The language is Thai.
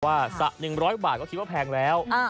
สระ๑๐๐บาทก็คิดว่าแพงแล้ว